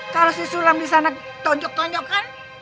kalau si sulam disana tonjok tonjokan